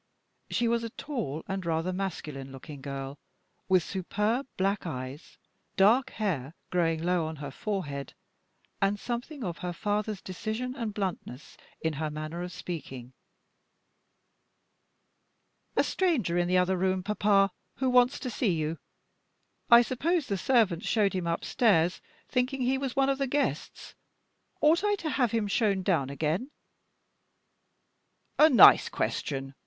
She was a tall and rather masculine looking girl, with superb black eyes, dark hair growing low on her forehead, and something of her father's decision and bluntness in her manner of speaking. "A stranger in the other room, papa, who wants to see you. I suppose the servants showed him upstairs, thinking he was one of the guests. Ought I to have had him shown down again?" "A nice question!